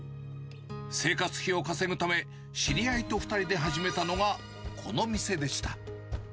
生活費を稼ぐため、知り合いと２人で始めたのがこの店でした。